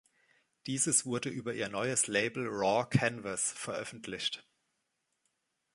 Dieses wurde über ihr neues Label Raw Canvas veröffentlicht.